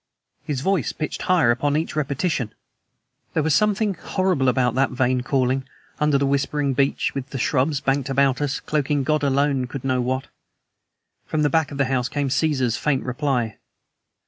His voice pitched higher upon each repetition. There was something horrible about that vain calling, under the whispering beech, with shrubs banked about us cloaking God alone could know what. From the back of the house came Caesar's faint reply.